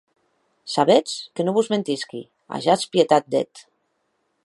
Sabetz que non vos mentisqui, ajatz pietat d'eth!